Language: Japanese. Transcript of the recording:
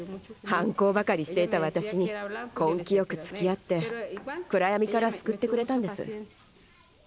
反抗ばかりしていた私に根気よくつきあって暗闇から救ってくれたんです。